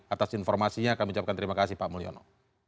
atas informasinya kami ucapkan terima kasih pak mulyono